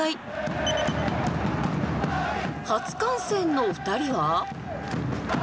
初観戦の２人は。